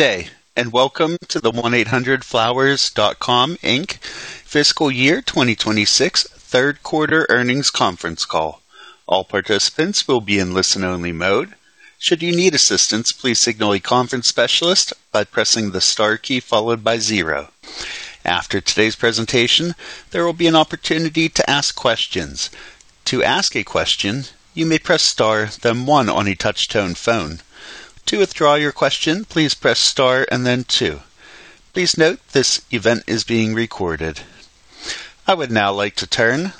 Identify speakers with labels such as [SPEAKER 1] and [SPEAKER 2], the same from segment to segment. [SPEAKER 1] Good day, and welcome to the 1-800-FLOWERS.COM, Inc. fiscal year 2026 third quarter earnings conference call. I would now like to turn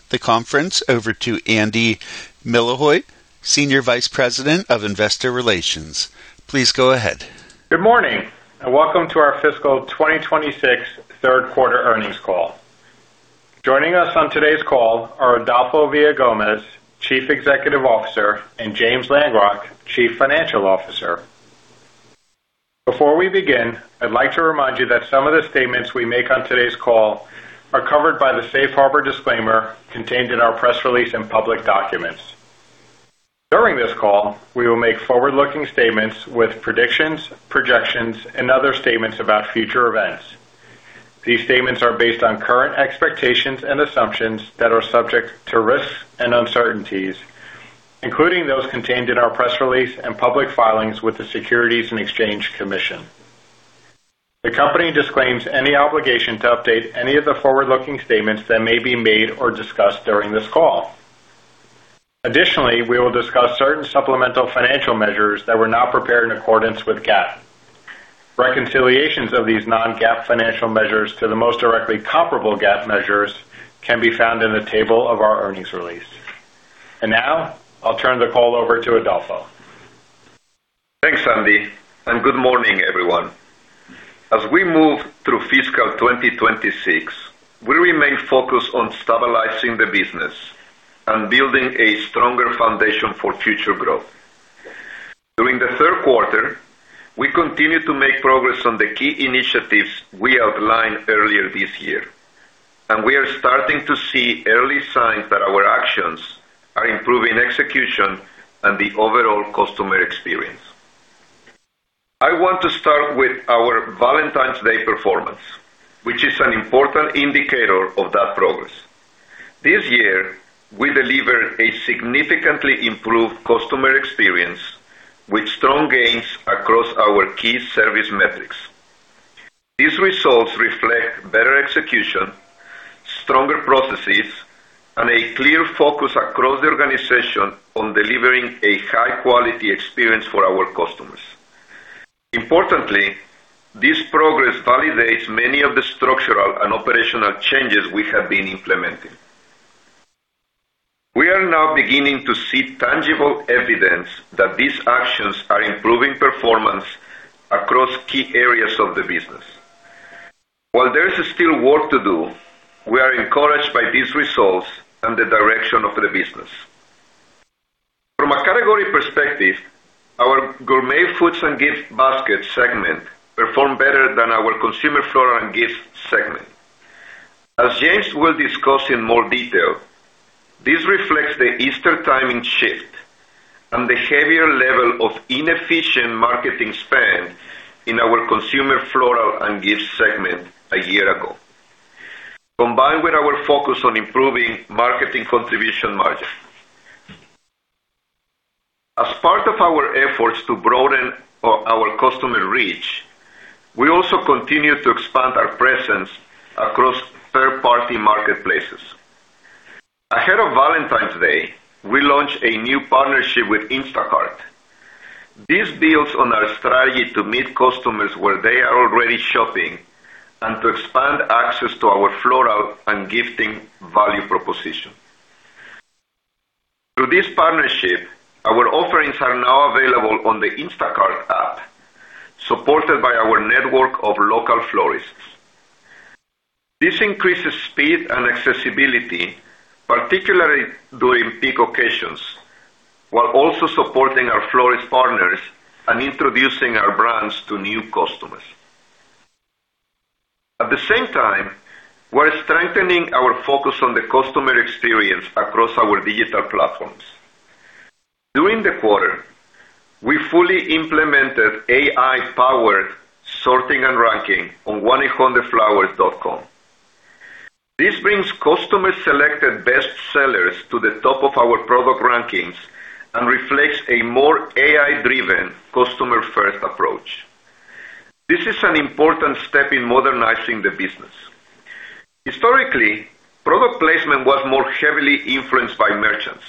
[SPEAKER 1] the conference over to Andy Milevoj, Senior Vice President, Investor Relations. Please go ahead.
[SPEAKER 2] Good morning, and welcome to our fiscal 2026 third quarter earnings call. Joining us on today's call are Adolfo Villagomez, Chief Executive Officer, and James Langrock, Chief Financial Officer. Before we begin, I'd like to remind you that some of the statements we make on today's call are covered by the safe harbor disclaimer contained in our press release and public documents. During this call, we will make forward-looking statements with predictions, projections, and other statements about future events. These statements are based on current expectations and assumptions that are subject to risks and uncertainties, including those contained in our press release and public filings with the Securities and Exchange Commission. The company disclaims any obligation to update any of the forward-looking statements that may be made or discussed during this call. Additionally, we will discuss certain supplemental financial measures that were not prepared in accordance with GAAP. Reconciliations of these non-GAAP financial measures to the most directly comparable GAAP measures can be found in the table of our earnings release. Now, I'll turn the call over to Adolfo.
[SPEAKER 3] Thanks, Andy. Good morning, everyone. As we move through fiscal 2026, we remain focused on stabilizing the business and building a stronger foundation for future growth. During the third quarter, we continued to make progress on the key initiatives we outlined earlier this year. We are starting to see early signs that our actions are improving execution and the overall customer experience. I want to start with our Valentine's Day performance, which is an important indicator of that progress. This year, we delivered a significantly improved customer experience with strong gains across our key service metrics. These results reflect better execution, stronger processes, and a clear focus across the organization on delivering a high-quality experience for our customers. Importantly, this progress validates many of the structural and operational changes we have been implementing. We are now beginning to see tangible evidence that these actions are improving performance across key areas of the business. While there is still work to do, we are encouraged by these results and the direction of the business. From a category perspective, our Gourmet Foods & Gift Baskets segment performed better than our Consumer Floral & Gifts segment. As James will discuss in more detail, this reflects the Easter timing shift and the heavier level of inefficient marketing spend in our Consumer Floral & Gifts segment a year ago, combined with our focus on improving marketing contribution margin. As part of our efforts to broaden our customer reach, we also continue to expand our presence across third-party marketplaces. Ahead of Valentine's Day, we launched a new partnership with Instacart. This builds on our strategy to meet customers where they are already shopping and to expand access to our floral and gifting value proposition. Through this partnership, our offerings are now available on the Instacart app, supported by our network of local florists. This increases speed and accessibility, particularly during peak occasions, while also supporting our florist partners and introducing our brands to new customers. At the same time, we're strengthening our focus on the customer experience across our digital platforms. During the quarter, we fully implemented AI-powered sorting and ranking on 1-800-Flowers.com. This brings customer-selected best sellers to the top of our product rankings and reflects a more AI-driven customer-first approach. This is an important step in modernizing the business. Historically, product placement was more heavily influenced by merchants.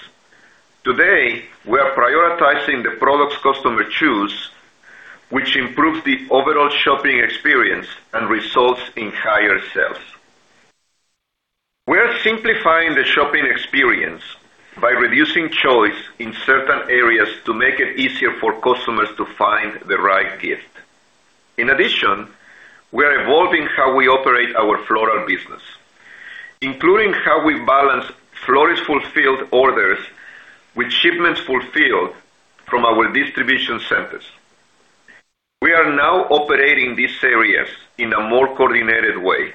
[SPEAKER 3] Today, we are prioritizing the products customers choose, which improves the overall shopping experience and results in higher sales. We are simplifying the shopping experience by reducing choice in certain areas to make it easier for customers to find the right gift. In addition, we are evolving how we operate our floral business, including how we balance florist-fulfilled orders with shipments fulfilled from our distribution centers. We are now operating these areas in a more coordinated way,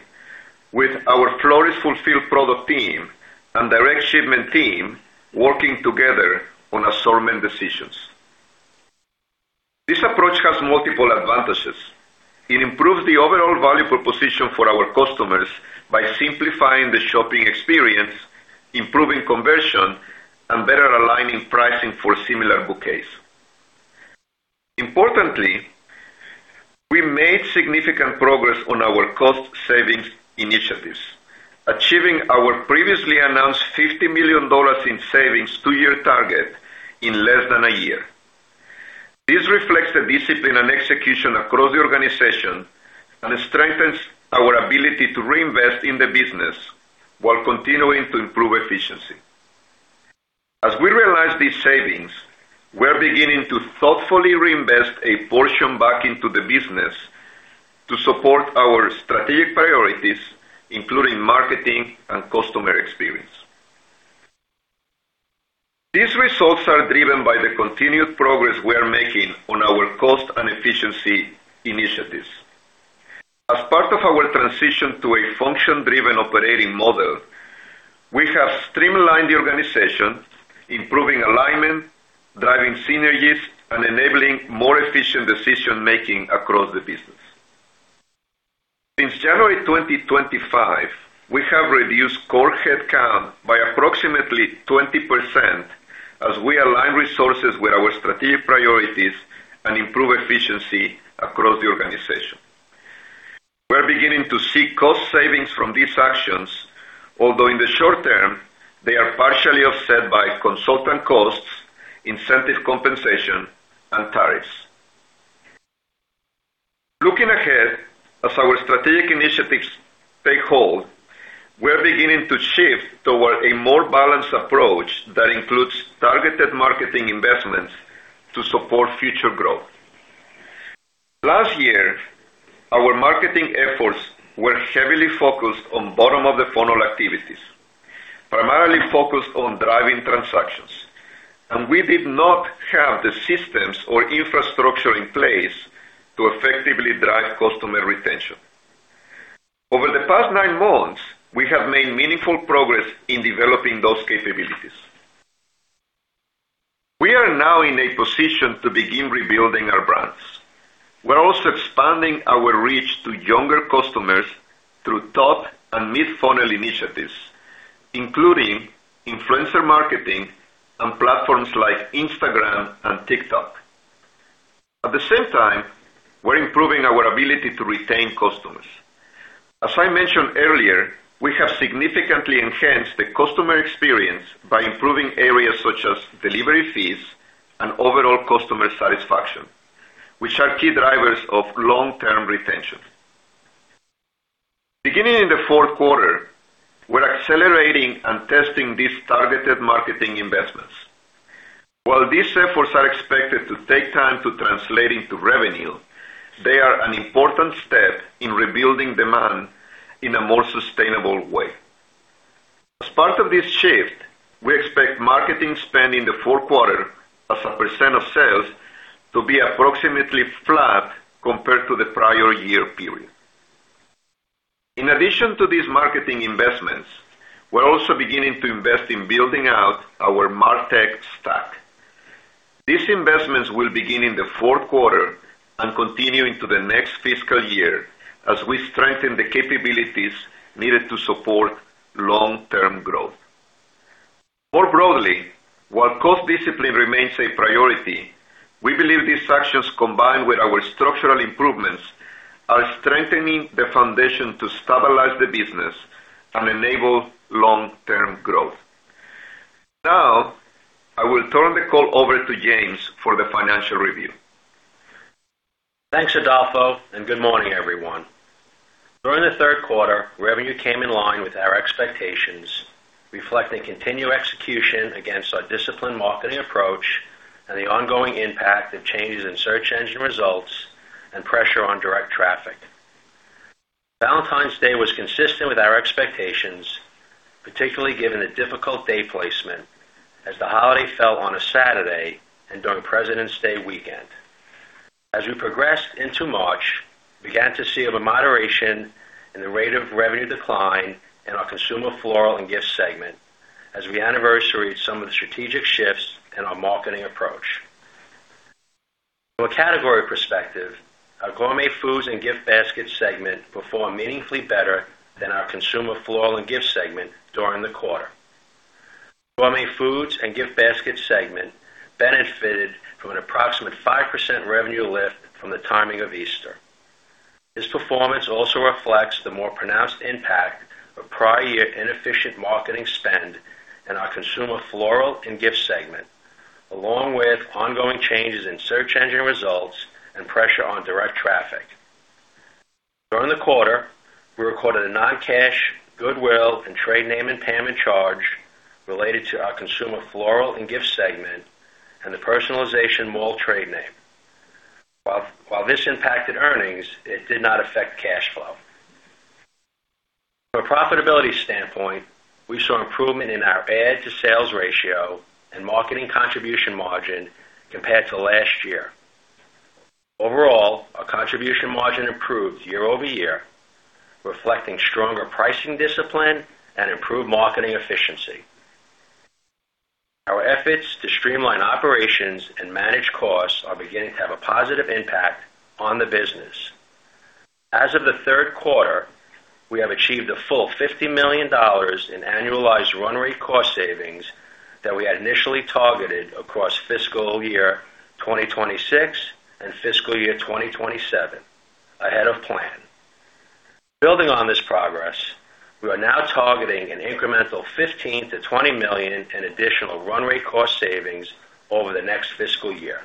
[SPEAKER 3] with our florist-fulfilled orders and direct shipment team working together on assortment decisions. This approach has multiple advantages. It improves the overall value proposition for our customers by simplifying the shopping experience, improving conversion, and better aligning pricing for similar bouquets. Importantly, we made significant progress on our cost savings initiatives, achieving our previously announced $50 million in savings two-year target in less than a year. This reflects the discipline and execution across the organization and strengthens our ability to reinvest in the business while continuing to improve efficiency. As we realize these savings, we are beginning to thoughtfully reinvest a portion back into the business to support our strategic priorities, including marketing and customer experience. These results are driven by the continued progress we are making on our cost and efficiency initiatives. As part of our transition to a function-driven operating model, we have streamlined the organization, improving alignment, driving synergies, and enabling more efficient decision-making across the business. Since January 2025, we have reduced core headcount by approximately 20% as we align resources with our strategic priorities and improve efficiency across the organization. We're beginning to see cost savings from these actions, although in the short term, they are partially offset by consultant costs, incentive compensation, and tariffs. Looking ahead, as our strategic initiatives take hold, we're beginning to shift toward a more balanced approach that includes targeted marketing investments to support future growth. Last year, our marketing efforts were heavily focused on bottom of the funnel activities, primarily focused on driving transactions, and we did not have the systems or infrastructure in place to effectively drive customer retention. Over the past nine months, we have made meaningful progress in developing those capabilities. We are now in a position to begin rebuilding our brands. We're also expanding our reach to younger customers through top and mid-funnel initiatives, including influencer marketing on platforms like Instagram and TikTok. At the same time, we're improving our ability to retain customers. As I mentioned earlier, we have significantly enhanced the customer experience by improving areas such as delivery fees and overall customer satisfaction, which are key drivers of long-term retention. Beginning in the fourth quarter, we're accelerating and testing these targeted marketing investments. While these efforts are expected to take time to translate into revenue, they are an important step in rebuilding demand in a more sustainable way. As part of this shift, we expect marketing spend in the fourth quarter as a percent of sales to be approximately flat compared to the prior year period. In addition to these marketing investments, we're also beginning to invest in building out our martech stack. These investments will begin in the fourth quarter and continue into the next fiscal year as we strengthen the capabilities needed to support long-term growth. More broadly, while cost discipline remains a priority, we believe these actions, combined with our structural improvements, are strengthening the foundation to stabilize the business and enable long-term growth. I will turn the call over to James for the financial review.
[SPEAKER 4] Thanks, Adolfo. Good morning, everyone. During the third quarter, revenue came in line with our expectations, reflecting continued execution against our disciplined marketing approach and the ongoing impact of changes in search engine results and pressure on direct traffic. Valentine's Day was consistent with our expectations, particularly given the difficult day placement as the holiday fell on a Saturday and during President's Day weekend. As we progressed into March, we began to see a moderation in the rate of revenue decline in our Consumer Floral & Gifts segment as we anniversaried some of the strategic shifts in our marketing approach. From a category perspective, our Gourmet Foods & Gift Baskets segment performed meaningfully better than our Consumer Floral & Gifts segment during the quarter. Gourmet Foods & Gift Baskets segment benefited from an approximate 5% revenue lift from the timing of Easter. This performance also reflects the more pronounced impact of prior year inefficient marketing spend in our Consumer Floral & Gifts segment, along with ongoing changes in search engine results and pressure on direct traffic. During the quarter, we recorded a non-cash goodwill and trade name impairment charge related to our Consumer Floral & Gifts segment and the Personalization Mall trade name. While this impacted earnings, it did not affect cash flow. From a profitability standpoint, we saw improvement in our ad to sales ratio and marketing contribution margin compared to last year. Overall, our contribution margin improved year-over-year, reflecting stronger pricing discipline and improved marketing efficiency. Our efforts to streamline operations and manage costs are beginning to have a positive impact on the business. As of the third quarter, we have achieved a full $50 million in annualized run rate cost savings that we had initially targeted across fiscal year 2026 and fiscal year 2027, ahead of plan. Building on this progress, we are now targeting an incremental $15 million-$20 million in additional run rate cost savings over the next fiscal year.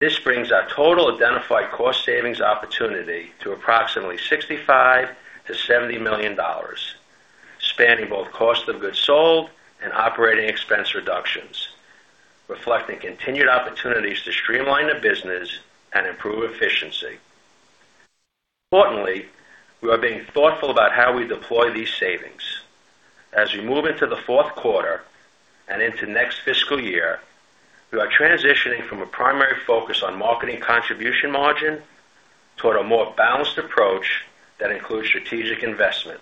[SPEAKER 4] This brings our total identified cost savings opportunity to approximately $65 million-$70 million, spanning both cost of goods sold and operating expense reductions, reflecting continued opportunities to streamline the business and improve efficiency. Importantly, we are being thoughtful about how we deploy these savings. As we move into the fourth quarter and into next fiscal year, we are transitioning from a primary focus on marketing contribution margin toward a more balanced approach that includes strategic investment.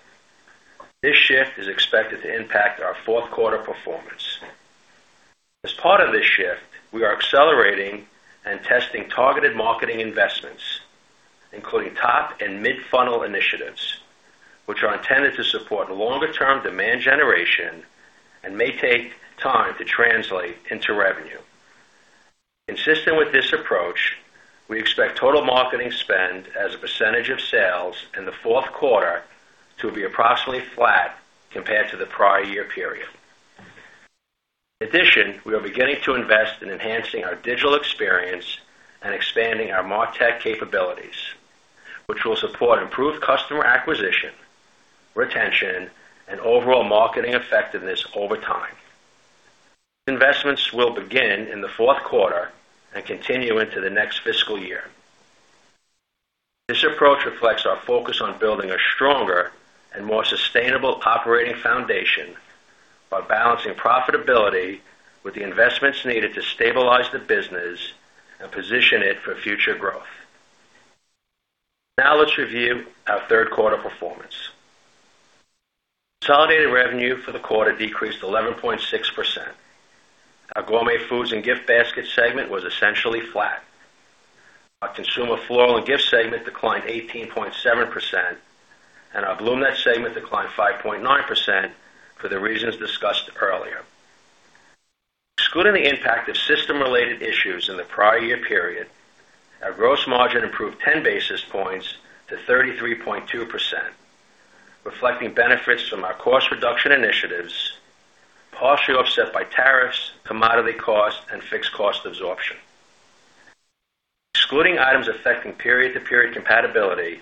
[SPEAKER 4] This shift is expected to impact our fourth quarter performance. As part of this shift, we are accelerating and testing targeted marketing investments, including top and mid-funnel initiatives, which are intended to support longer-term demand generation and may take time to translate into revenue. Consistent with this approach, we expect total marketing spend as a percentage of sales in the fourth quarter to be approximately flat compared to the prior year period. In addition, we are beginning to invest in enhancing our digital experience and expanding our martech capabilities, which will support improved customer acquisition, retention, and overall marketing effectiveness over time. These investments will begin in the fourth quarter and continue into the next fiscal year. This approach reflects our focus on building a stronger and more sustainable operating foundation by balancing profitability with the investments needed to stabilize the business and position it for future growth. Now let's review our third quarter performance. Consolidated revenue for the quarter decreased 11.6%. Our Gourmet Foods & Gift Baskets segment was essentially flat. Our Consumer Floral & Gifts segment declined 18.7%, and our BloomNet segment declined 5.9% for the reasons discussed earlier. Excluding the impact of system-related issues in the prior year period, our gross margin improved 10 basis points to 33.2%, reflecting benefits from our cost reduction initiatives, partially offset by tariffs, commodity costs, and fixed cost absorption. Excluding items affecting period-to-period compatibility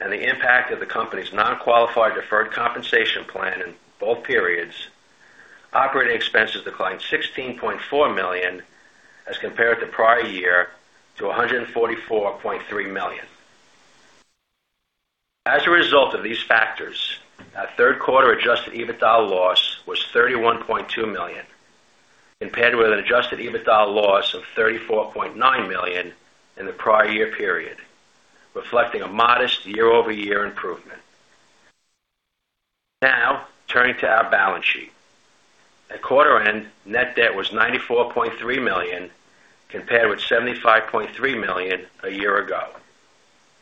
[SPEAKER 4] and the impact of the company's non-qualified deferred compensation plan in both periods, operating expenses declined $16.4 million as compared to prior year to $144.3 million. As a result of these factors, our third quarter adjusted EBITDA loss was $31.2 million, compared with an adjusted EBITDA loss of $34.9 million in the prior year period, reflecting a modest year-over-year improvement. Now, turning to our balance sheet. At quarter end, net debt was $94.3 million, compared with $75.3 million a year ago.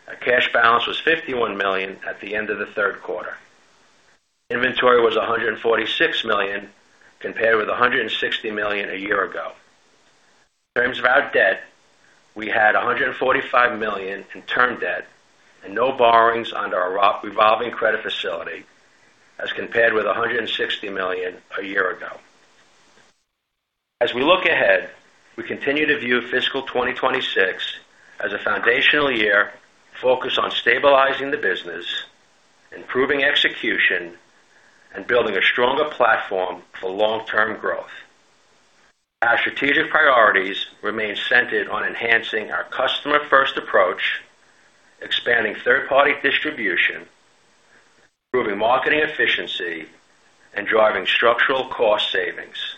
[SPEAKER 4] Our cash balance was $51 million at the end of the third quarter. Inventory was $146 million, compared with $160 million a year ago. In terms of our debt, we had $145 million in term debt and no borrowings under our revolving credit facility as compared with $160 million a year ago. As we look ahead, we continue to view fiscal 2026 as a foundational year focused on stabilizing the business, improving execution, and building a stronger platform for long-term growth. Our strategic priorities remain centered on enhancing our customer-first approach, expanding third-party distribution, improving marketing efficiency, and driving structural cost savings.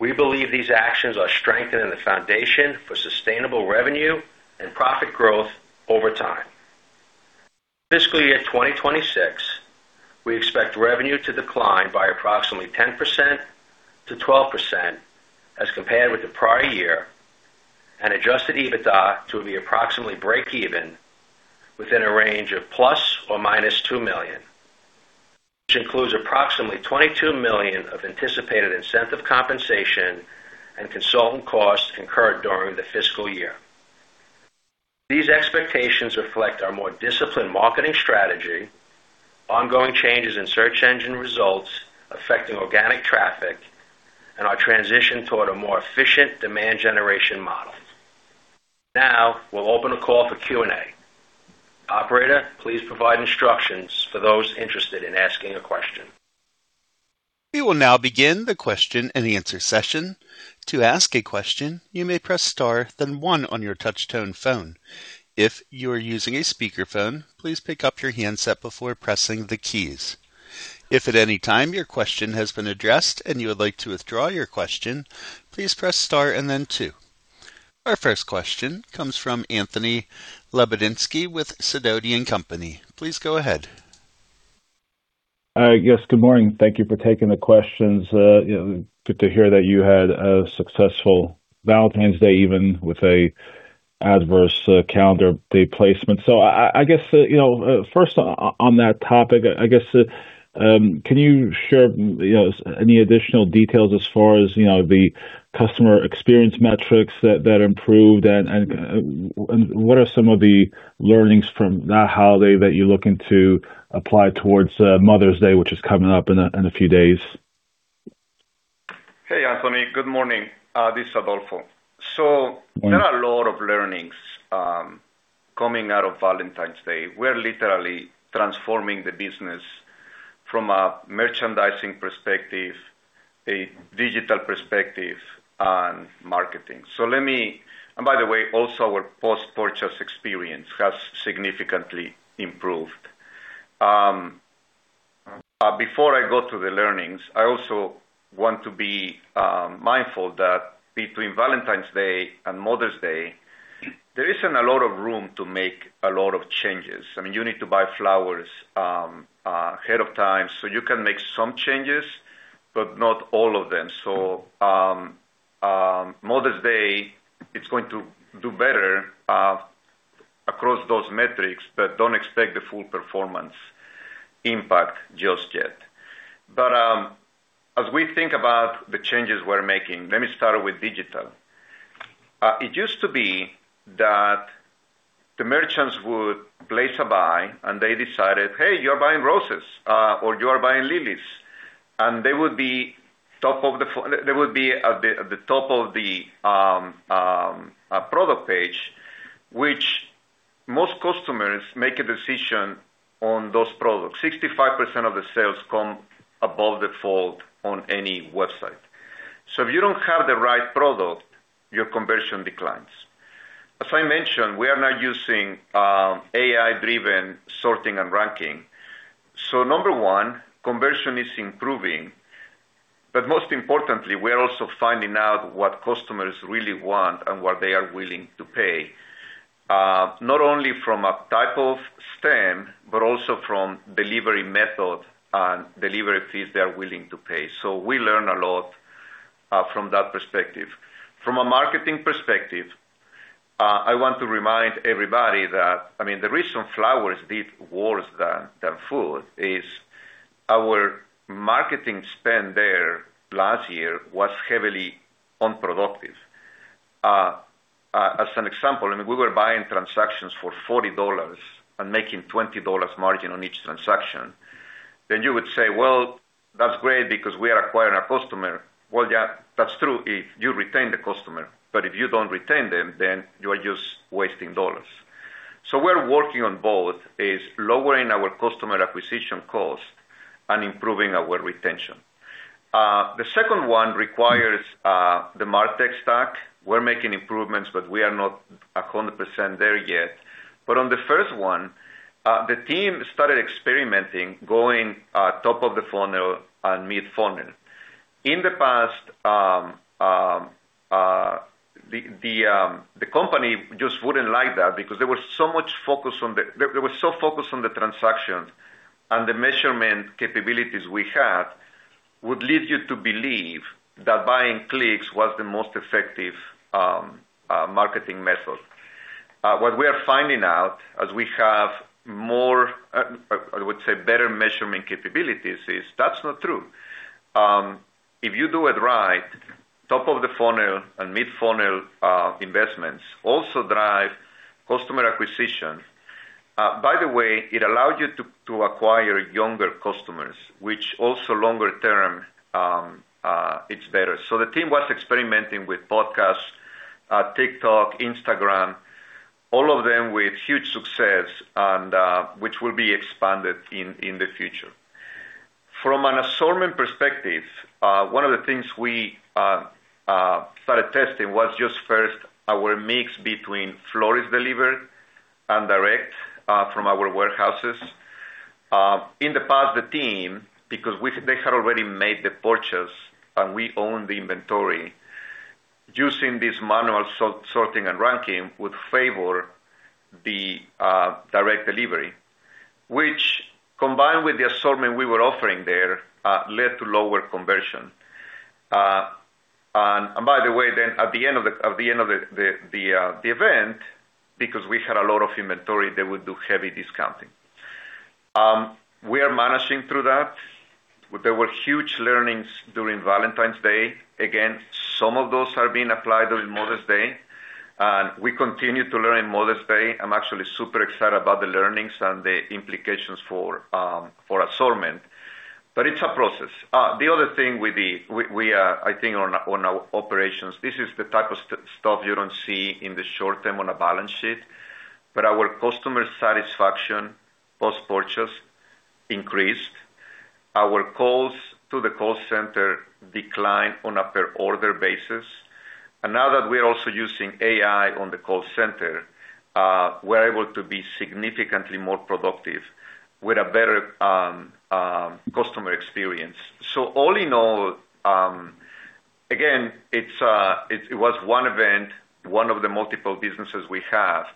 [SPEAKER 4] We believe these actions are strengthening the foundation for sustainable revenue and profit growth over time. For fiscal year 2026, we expect revenue to decline by approximately 10%-12% as compared with the prior year and adjusted EBITDA to be approximately break even within a range of ±$2 million, which includes approximately $22 million of anticipated incentive compensation and consultant costs incurred during the fiscal year. These expectations reflect our more disciplined marketing strategy, ongoing changes in search engine results affecting organic traffic, and our transition toward a more efficient demand generation model. Now, we'll open the call for Q&A. Operator, please provide instructions for those interested in asking a question.
[SPEAKER 1] Our first question comes from Anthony Lebiedzinski with Sidoti & Company. Please go ahead.
[SPEAKER 5] Yes, good morning. Thank you for taking the questions. You know, good to hear that you had a successful Valentine's Day, even with a adverse calendar day placement. I guess, you know, first on that topic, I guess, can you share, you know, any additional details as far as, you know, the customer experience metrics that improved? And what are some of the learnings from that holiday that you're looking to apply towards Mother's Day, which is coming up in a, in a few days?
[SPEAKER 3] Hey, Anthony. Good morning. This is Adolfo. There are a lot of learnings coming out of Valentine's Day. We're literally transforming the business from a merchandising perspective, a digital perspective on marketing. And by the way, also our post-purchase experience has significantly improved. Before I go to the learnings, I also want to be mindful that between Valentine's Day and Mother's Day, there isn't a lot of room to make a lot of changes. I mean, you need to buy flowers ahead of time, so you can make some changes, but not all of them. Mother's Day, it's going to do better across those metrics, but don't expect the full performance impact just yet. As we think about the changes we're making, let me start with digital. It used to be that the merchants would place a buy and they decided, "Hey, you're buying roses," or, "You are buying lilies." They would be at the top of the product page, which most customers make a decision on those products. 65% of the sales come above the fold on any website. If you don't have the right product, your conversion declines. As I mentioned, we are now using AI-driven sorting and ranking. Number one, conversion is improving. Most importantly, we're also finding out what customers really want and what they are willing to pay, not only from a type of stem, but also from delivery method and delivery fees they are willing to pay. We learn a lot from that perspective. From a marketing perspective, I want to remind everybody that, I mean, the reason Flowers did worse than Food is our marketing spend there last year was heavily unproductive. As an example, we were buying transactions for $40 and making $20 margin on each transaction. You would say, "Well, that's great because we are acquiring a customer." Well, yeah, that's true if you retain the customer, but if you don't retain them, then you are just wasting dollars. We're working on both, is lowering our customer acquisition cost and improving our retention. The second one requires the martech stack. We're making improvements, but we are not 100% there yet. On the first one, the team started experimenting going top of the funnel and mid-funnel. In the past, the company just wouldn't like that because there was so much focus on the They were so focused on the transactions and the measurement capabilities we had would lead you to believe that buying clicks was the most effective marketing method. What we are finding out as we have more, I would say, better measurement capabilities is that's not true. If you do it right, top of the funnel and mid-funnel investments also drive customer acquisition. By the way, it allows you to acquire younger customers, which also longer term, it's better. The team was experimenting with podcasts, TikTok, Instagram, all of them with huge success and which will be expanded in the future. From an assortment perspective, one of the things we started testing was just first our mix between florist delivered and direct from our warehouses. In the past, the team, because they had already made the purchase and we own the inventory, using this manual sorting and ranking would favor the direct delivery, which combined with the assortment we were offering there, led to lower conversion. By the way, then at the end of the event, because we had a lot of inventory, they would do heavy discounting. We are managing through that. There were huge learnings during Valentine's Day. Again, some of those are being applied during Mother's Day, and we continue to learn in Mother's Day. I'm actually super excited about the learnings and the implications for assortment, but it's a process. I think on our operations, this is the type of stuff you don't see in the short term on a balance sheet, but our customer satisfaction post-purchase increased. Our calls to the call center declined on a per order basis. Now that we are also using AI on the call center, we're able to be significantly more productive with a better customer experience. All in all, again, it's, it was one event, one of the multiple businesses we have.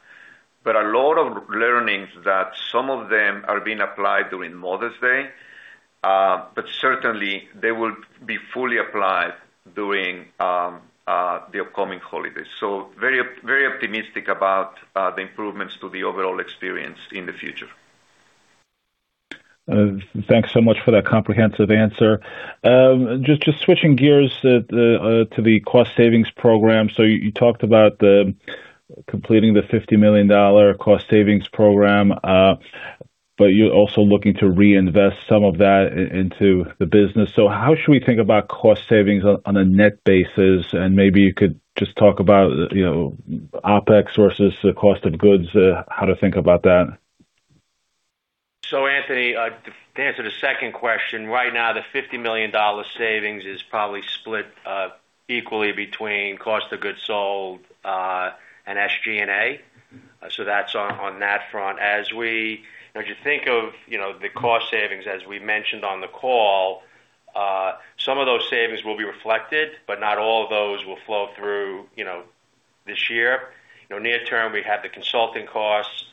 [SPEAKER 3] A lot of learnings that some of them are being applied during Mother's Day, but certainly they will be fully applied during the upcoming holidays. Very, very optimistic about the improvements to the overall experience in the future.
[SPEAKER 5] Thanks so much for that comprehensive answer. Just switching gears to the cost savings program. You talked about the completing the $50 million cost savings program, but you're also looking to reinvest some of that into the business. How should we think about cost savings on a net basis? Maybe you could just talk about, you know, OpEx versus the cost of goods, how to think about that.
[SPEAKER 4] Anthony, to answer the second question, right now, the $50 million savings is probably split equally between cost of goods sold and SG&A. That's on that front. As you think of, you know, the cost savings, as we mentioned on the call, some of those savings will be reflected, but not all of those will flow through, you know, this year. You know, near term, we have the consulting costs,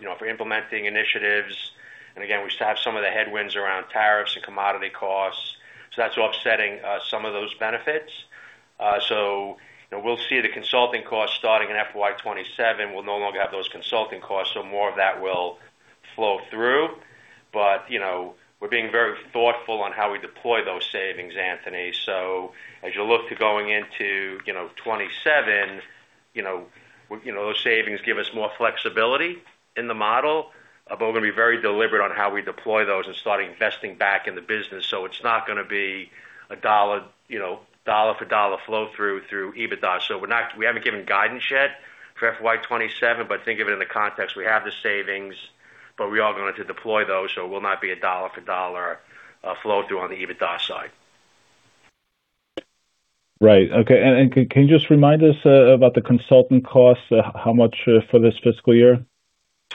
[SPEAKER 4] you know, for implementing initiatives. Again, we still have some of the headwinds around tariffs and commodity costs. That's offsetting some of those benefits. You know, we'll see the consulting costs starting in FY 2027. We'll no longer have those consulting costs, more of that will flow through. You know, we're being very thoughtful on how we deploy those savings, Anthony. As you look to going into, you know, 2027, those savings give us more flexibility in the model, but we're gonna be very deliberate on how we deploy those and start investing back in the business. It's not gonna be a dollar for dollar flow through EBITDA. We haven't given guidance yet for FY 2027, but think of it in the context, we have the savings, but we are going to deploy those, so it will not be a dollar for dollar flow through on the EBITDA side.
[SPEAKER 5] Right. Okay. Can you just remind us about the consultant costs? How much for this fiscal year?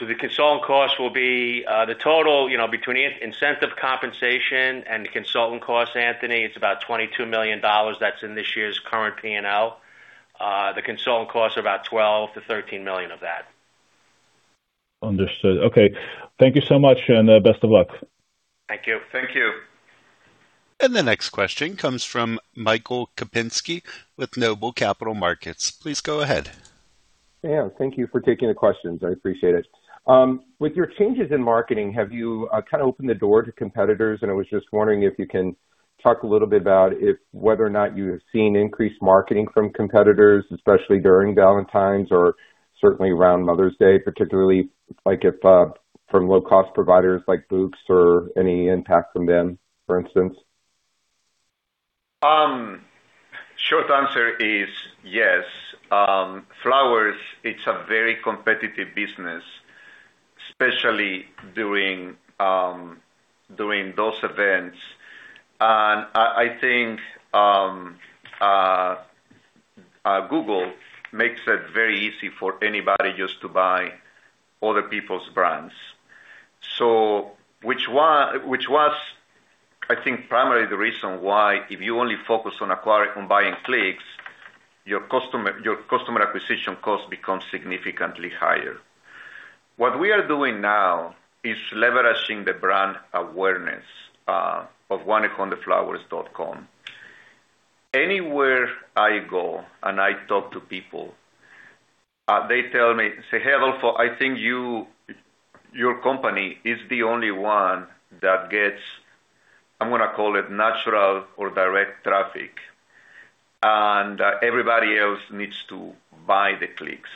[SPEAKER 4] The consultant costs will be, you know, the total, between incentive compensation and the consultant costs, Anthony, it's about $22 million that's in this year's current P&L. The consultant costs are about $12 million-$13 million of that.
[SPEAKER 5] Understood. Okay. Thank you so much, and best of luck.
[SPEAKER 4] Thank you.
[SPEAKER 3] Thank you.
[SPEAKER 1] The next question comes from Michael Kupinski with Noble Capital Markets. Please go ahead.
[SPEAKER 6] Yeah. Thank you for taking the questions. I appreciate it. With your changes in marketing, have you kind of opened the door to competitors? I was just wondering if you can talk a little bit about if whether or not you have seen increased marketing from competitors, especially during Valentine's or certainly around Mother's Day, particularly like if from low-cost providers like Bouqs or any impact from them, for instance.
[SPEAKER 3] Short answer is yes. Flowers, it's a very competitive business, especially during those events. I think Google makes it very easy for anybody just to buy other people's brands. Which was, I think, primarily the reason why if you only focus on acquiring, on buying clicks, your customer acquisition cost becomes significantly higher. What we are doing now is leveraging the brand awareness of 1-800-Flowers.com. Anywhere I go and I talk to people, they tell me, say, "Hey, Adolfo, I think your company is the only one that gets, I'm gonna call it natural or direct traffic, and everybody else needs to buy the clicks."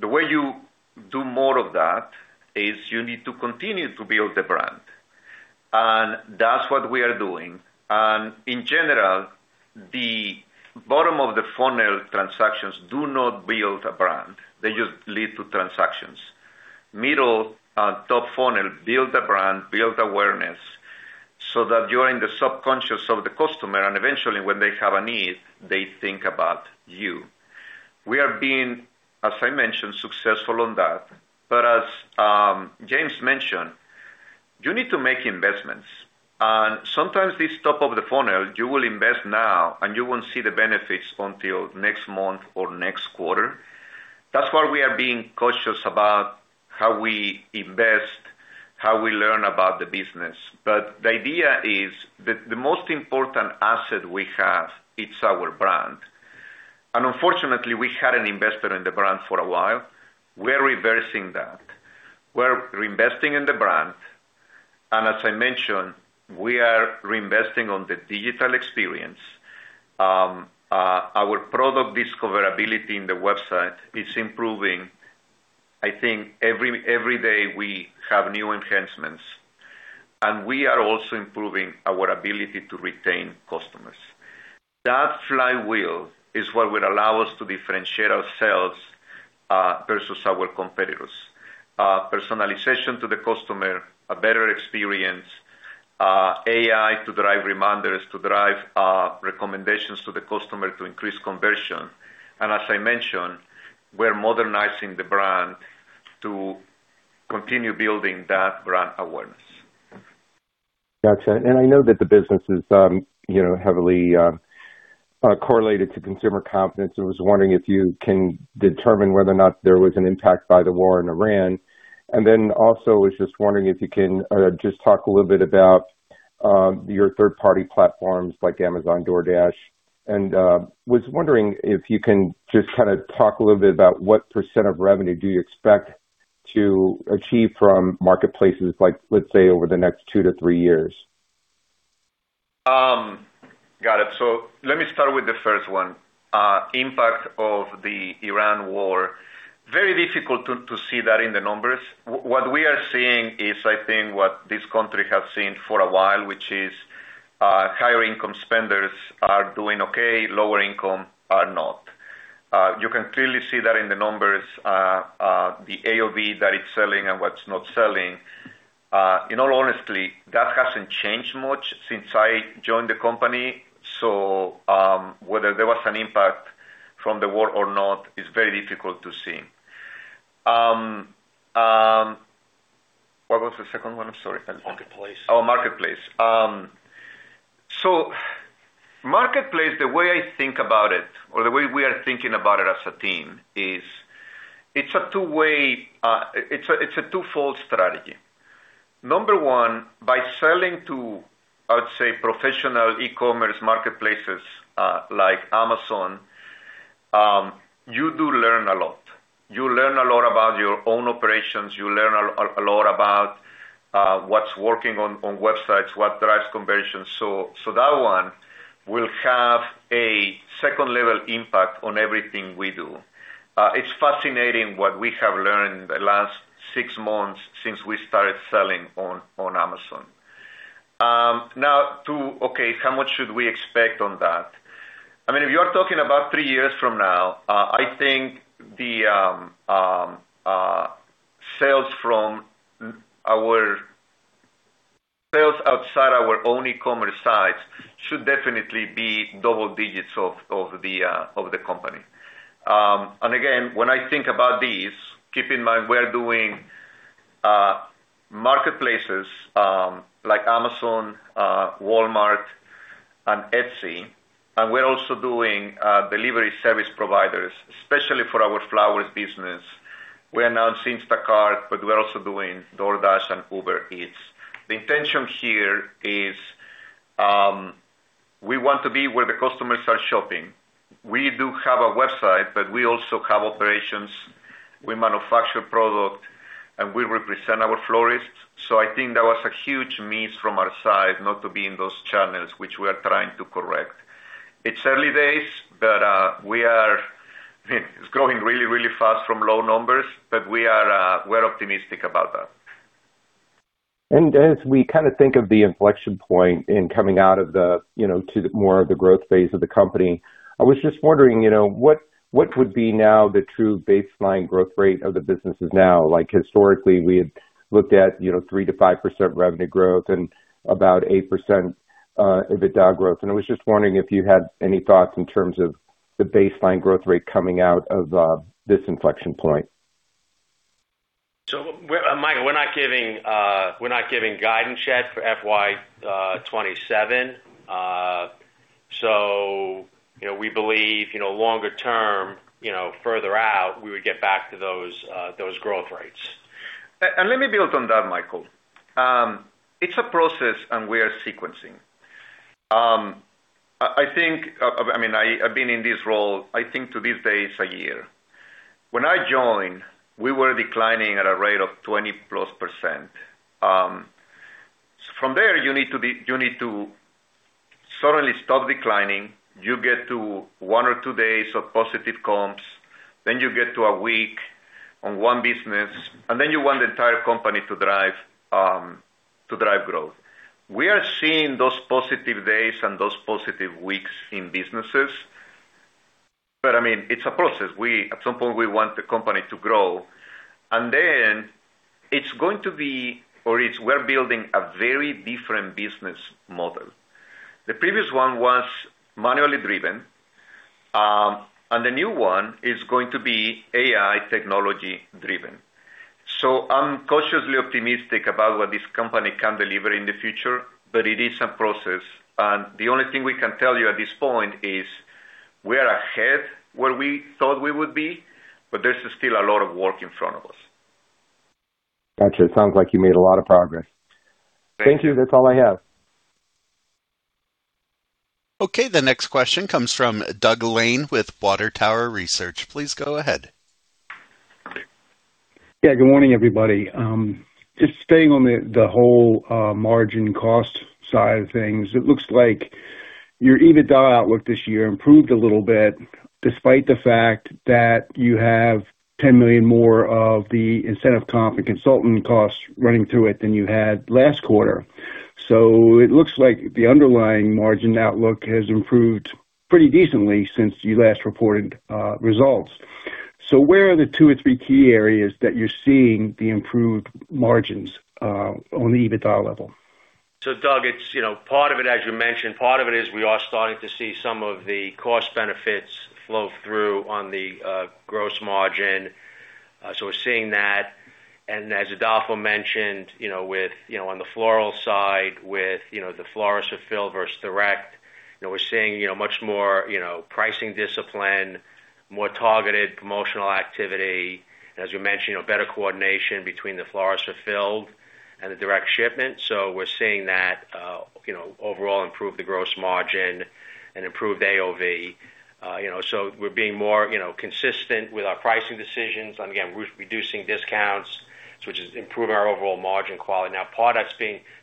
[SPEAKER 3] The way you do more of that is you need to continue to build the brand, and that's what we are doing. In general, the bottom of the funnel transactions do not build a brand. They just lead to transactions. Middle and top funnel build a brand, build awareness, so that you're in the subconscious of the customer, and eventually when they have a need, they think about you. We are being, as I mentioned, successful on that. As James mentioned, you need to make investments. Sometimes this top of the funnel, you will invest now, and you won't see the benefits until next month or next quarter. That's why we are being cautious about how we invest, how we learn about the business. The idea is the most important asset we have is our brand. Unfortunately, we had an investor in the brand for a while. We're reversing that. We're reinvesting in the brand. As I mentioned, we are reinvesting on the digital experience. Our product discoverability in the website is improving. I think every day we have new enhancements, and we are also improving our ability to retain customers. That flywheel is what will allow us to differentiate ourselves versus our competitors. Personalization to the customer, a better experience, AI to drive reminders, to drive recommendations to the customer to increase conversion. As I mentioned, we're modernizing the brand to continue building that brand awareness.
[SPEAKER 6] Got you. I know that the business is, you know, heavily correlated to consumer confidence. I was wondering if you can determine whether or not there was an impact by the war in Iran. Then also was just wondering if you can just talk a little bit about your third-party platforms like Amazon, DoorDash. Was wondering if you can just kinda talk a little bit about what % of revenue do you expect to achieve from marketplaces like, let's say, over the next two to three years.
[SPEAKER 3] Got it. Let me start with the first one, impact of the Iran war. Very difficult to see that in the numbers. What we are seeing is I think what this country have seen for a while, which is, higher income spenders are doing okay, lower income are not. You can clearly see that in the numbers, the AOV that it's selling and what's not selling. In all honesty, that hasn't changed much since I joined the company. Whether there was an impact from the war or not is very difficult to see. What was the second one? I'm sorry.
[SPEAKER 4] Marketplace.
[SPEAKER 3] Marketplace. Marketplace, the way I think about it or the way we are thinking about it as a team is it's a two-way, it's a twofold strategy. Number one, by selling to, I would say, professional e-commerce marketplaces, like Amazon, you do learn a lot. You learn a lot about your own operations, you learn a lot about what's working on websites, what drives conversions. That one will have a second level impact on everything we do. It's fascinating what we have learned in the last six months since we started selling on Amazon. How much should we expect on that? I mean, if you are talking about three years from now, I think the sales from our sales outside our own e-commerce sites should definitely be double digits of the company. Again, when I think about these, keep in mind we're doing marketplaces, like Amazon, Walmart, and Etsy. We're also doing delivery service providers, especially for our flowers business. We're now in Instacart. We're also doing DoorDash and Uber Eats. The intention here is, we want to be where the customers are shopping. We do have a website. We also have operations. We manufacture product. We represent our florists. I think that was a huge miss from our side not to be in those channels, which we are trying to correct. It's early days, but it's growing really, really fast from low numbers, but we're optimistic about that.
[SPEAKER 6] As we kinda think of the inflection point in coming out of the, you know, to the more of the growth phase of the company, I was just wondering, you know, what would be now the true baseline growth rate of the businesses now? Like historically, we had looked at, you know, 3%-5% revenue growth and about 8% EBITDA growth. I was just wondering if you had any thoughts in terms of the baseline growth rate coming out of this inflection point.
[SPEAKER 4] Michael, we're not giving guidance yet for FY 2027. You know, we believe, you know, longer term, you know, further out, we would get back to those growth rates.
[SPEAKER 3] Let me build on that, Michael. It's a process, and we are sequencing. I mean, I've been in this role, I think to this day, it's one year. When I joined, we were declining at a rate of 20%+. From there, you need to suddenly stop declining. You get to one or two days of positive comps, then you get to a week on one business, and then you want the entire company to drive growth. We are seeing those positive days and those positive weeks in businesses. I mean, it's a process. At some point, we want the company to grow. We're building a very different business model. The previous one was manually driven, and the new one is going to be AI technology driven. I'm cautiously optimistic about what this company can deliver in the future, but it is a process, and the only thing we can tell you at this point is we are ahead where we thought we would be, but there's still a lot of work in front of us.
[SPEAKER 6] Got you. It sounds like you made a lot of progress.
[SPEAKER 3] Thank you.
[SPEAKER 6] Thank you. That's all I have.
[SPEAKER 1] Okay. The next question comes from Doug Lane with Water Tower Research. Please go ahead.
[SPEAKER 7] Good morning, everybody. Just staying on the whole margin cost side of things. It looks like your EBITDA outlook this year improved a little bit despite the fact that you have $10 million more of the incentive comp and consulting costs running through it than you had last quarter. It looks like the underlying margin outlook has improved pretty decently since you last reported results. Where are the two or three key areas that you're seeing the improved margins on the EBITDA level?
[SPEAKER 4] Doug, it's, you know, part of it, as you mentioned, part of it is we are starting to see some of the cost benefits flow through on the gross margin. We're seeing that. As Adolfo mentioned, you know, with, on the floral side, with the florist fulfill versus direct. We're seeing much more pricing discipline, more targeted promotional activity. As you mentioned, you know, better coordination between the florist fulfilled and the direct shipment. We're seeing that, you know, overall improve the gross margin and improve AOV. We're being more, you know, consistent with our pricing decisions. Again, we're reducing discounts, which is improving our overall margin quality. Part that's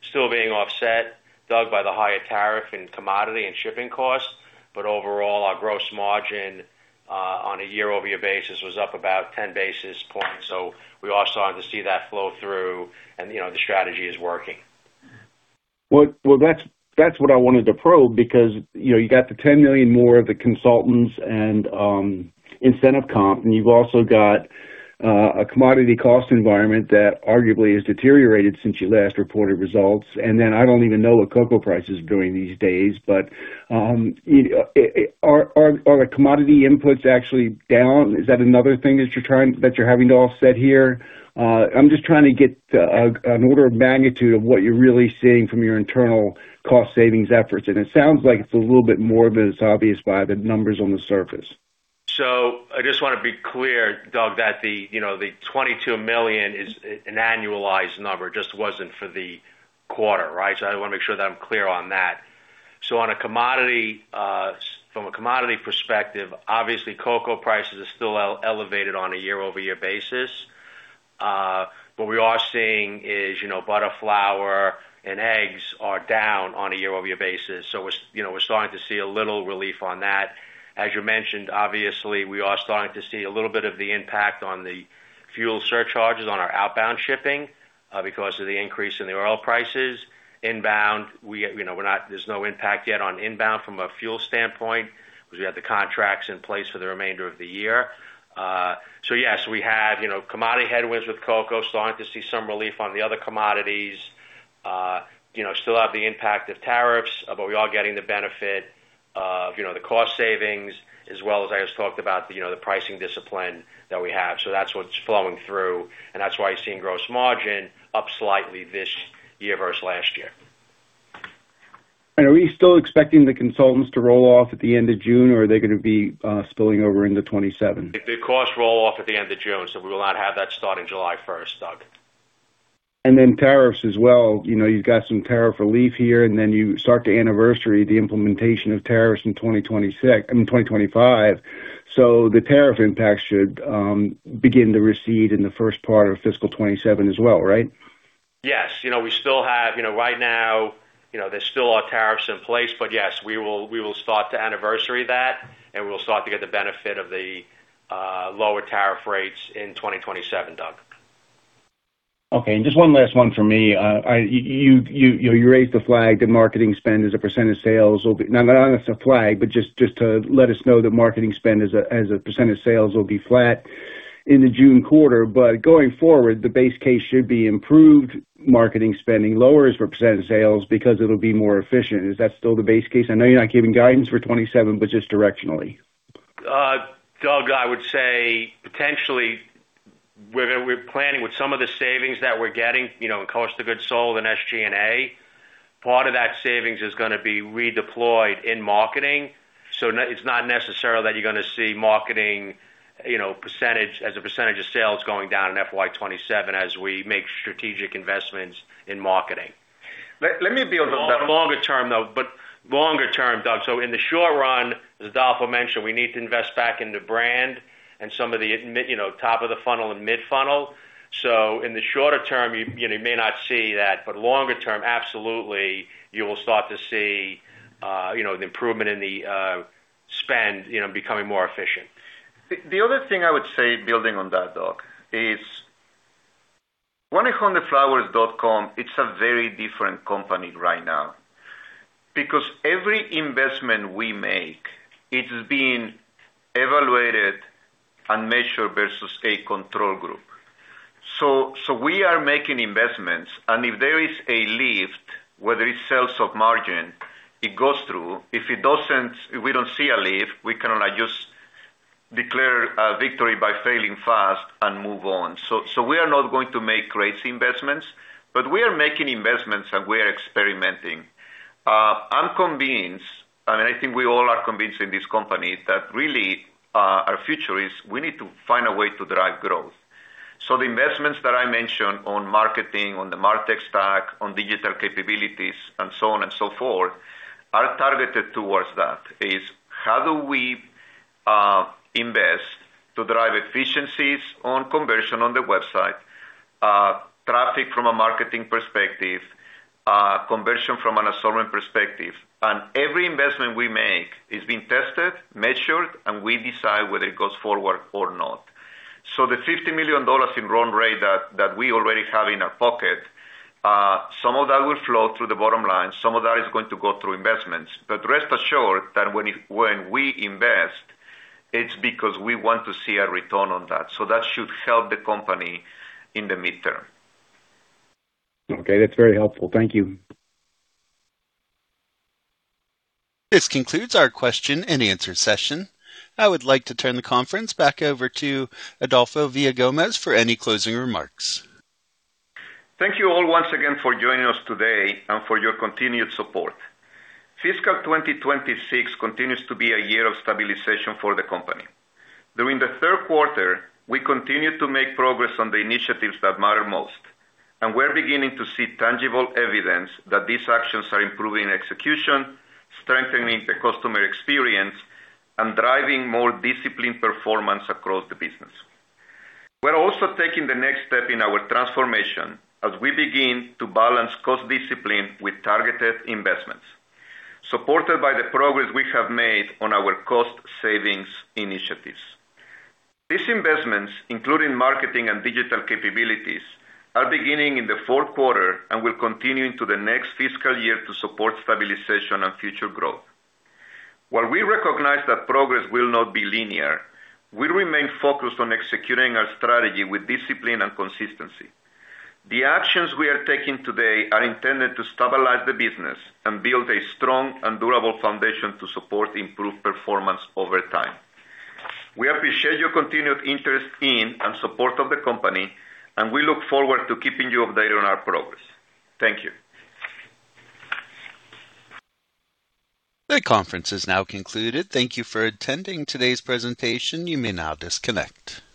[SPEAKER 4] still being offset, Doug, by the higher tariff and commodity and shipping costs. Overall, our gross margin, on a year-over-year basis was up about 10 basis points. We are starting to see that flow through and, you know, the strategy is working.
[SPEAKER 7] That's what I wanted to probe because, you know, you got the $10 million more of the consultants and incentive comp, you've also got a commodity cost environment that arguably has deteriorated since you last reported results. I don't even know what cocoa price is doing these days, but, you know, are the commodity inputs actually down? Is that another thing that you're having to offset here? I'm just trying to get an order of magnitude of what you're really seeing from your internal cost savings efforts. It sounds like it's a little bit more than is obvious by the numbers on the surface.
[SPEAKER 4] I just want to be clear, Doug Lane, that the, you know, the $22 million is an annualized number, just wasn't for the quarter, right? I want to make sure that I'm clear on that. On a commodity, from a commodity perspective, obviously cocoa prices are still elevated on a year-over-year basis. What we are seeing is, you know, butter, flour, and eggs are down on a year-over-year basis. We're, you know, we're starting to see a little relief on that. As you mentioned, obviously, we are starting to see a little bit of the impact on the fuel surcharges on our outbound shipping because of the increase in the oil prices. Inbound, we, you know, we're not, there's no impact yet on inbound from a fuel standpoint because we have the contracts in place for the remainder of the year. Yes, we have, you know, commodity headwinds with cocoa, starting to see some relief on the other commodities. You know, still have the impact of tariffs, but we are getting the benefit of, you know, the cost savings as well as I just talked about the, you know, the pricing discipline that we have. That's what's flowing through, and that's why you're seeing gross margin up slightly this year versus last year.
[SPEAKER 7] Are we still expecting the consultants to roll off at the end of June, or are they gonna be spilling over into 2027?
[SPEAKER 4] The costs roll off at the end of June, so we will not have that starting July 1st, Doug.
[SPEAKER 7] Tariffs as well. You know, you've got some tariff relief here, and then you start to anniversary the implementation of tariffs in 2026, I mean, 2025. The tariff impact should begin to recede in the first part of fiscal 2027 as well, right?
[SPEAKER 4] Yes. You know, we still have, you know, right now, you know, there still are tariffs in place, but yes, we will start to anniversary that, and we will start to get the benefit of the lower tariff rates in 2027, Doug.
[SPEAKER 7] Okay. Just one last one for me. you know, you raised the flag that marketing spend as a % of sales will be not as a flag, but just to let us know that marketing spend as a % of sales will be flat in the June quarter. Going forward, the base case should be improved marketing spending lowers represented sales because it'll be more efficient. Is that still the base case? I know you're not giving guidance for 2027, but just directionally.
[SPEAKER 4] Doug, I would say potentially we're planning with some of the savings that we're getting, you know, in cost of goods sold and SG&A. Part of that savings is gonna be redeployed in marketing. It's not necessarily that you're gonna see marketing, you know, percentage as a percentage of sales going down in FY 2027 as we make strategic investments in marketing.
[SPEAKER 3] Let me build on that.
[SPEAKER 4] Longer term, though, longer term, Doug. In the short run, as Adolfo mentioned, we need to invest back in the brand and some of the mid, you know, top of the funnel and mid-funnel. In the shorter term, you know, you may not see that, but longer term, absolutely, you will start to see, you know, the improvement in the spend, you know, becoming more efficient.
[SPEAKER 3] The other thing I would say, building on that, Doug, is 1-800-Flowers.com, it's a very different company right now. Every investment we make, it is being evaluated and measured versus a control group. We are making investments and if there is a lift, whether it's sales of margin, it goes through. If it doesn't, if we don't see a lift, we cannot just declare a victory by failing fast and move on. We are not going to make crazy investments, but we are making investments and we are experimenting. I'm convinced, and I think we all are convinced in this company, that really, our future is we need to find a way to drive growth. The investments that I mentioned on marketing, on the martech stack, on digital capabilities, and so on and so forth, are targeted towards that. Is how do we invest to drive efficiencies on conversion on the website, traffic from a marketing perspective, conversion from an assortment perspective? Every investment we make is being tested, measured, and we decide whether it goes forward or not. The $50 million in run rate that we already have in our pocket, some of that will flow through the bottom line, some of that is going to go through investments. Rest assured that when we invest, it's because we want to see a return on that. That should help the company in the midterm.
[SPEAKER 7] Okay. That's very helpful. Thank you..
[SPEAKER 1] This concludes our question and answer session. I would like to turn the conference back over to Adolfo Villagomez for any closing remarks.
[SPEAKER 3] Thank you all once again for joining us today and for your continued support. Fiscal 2026 continues to be a year of stabilization for the company. During the third quarter, we continued to make progress on the initiatives that matter most, and we're beginning to see tangible evidence that these actions are improving execution, strengthening the customer experience, and driving more disciplined performance across the business. We're also taking the next step in our transformation as we begin to balance cost discipline with targeted investments, supported by the progress we have made on our cost savings initiatives. These investments, including marketing and digital capabilities, are beginning in the fourth quarter and will continue into the next fiscal year to support stabilization and future growth. While we recognize that progress will not be linear, we remain focused on executing our strategy with discipline and consistency. The actions we are taking today are intended to stabilize the business and build a strong and durable foundation to support improved performance over time. We appreciate your continued interest in and support of the company, and we look forward to keeping you updated on our progress. Thank you.
[SPEAKER 1] The conference is now concluded. Thank you for attending today's presentation. You may now disconnect.